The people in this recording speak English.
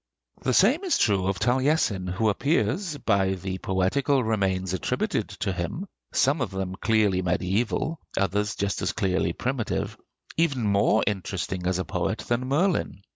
The same is true of Taliesin, who appears, by the poetical remains attributed to him, some of them clearly mediæval, others just as clearly primitive, even more interesting as a poet than Merlin.